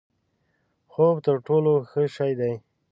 خوب تر ټولو ښه شی دی؛